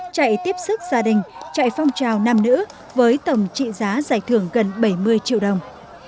chạy tiếp sức gia đình chạy phong trào nam nữ với tổng trị giá giải thưởng gần bảy mươi triệu đồng